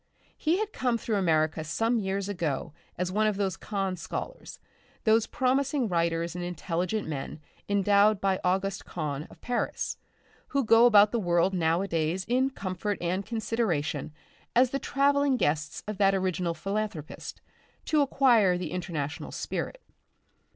He had come through America some years ago as one of those Kahn scholars, those promising writers and intelligent men endowed by Auguste Kahn of Paris, who go about the world nowadays in comfort and consideration as the travelling guests of that original philanthropist to acquire the international spirit.